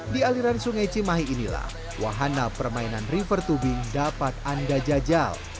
di aliran sungai cimahi inilah wahana permainan river tubing dapat anda jajal